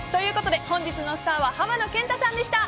本日のスターは浜野謙太さんでした。